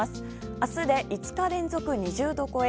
明日で５日連続２０度超え。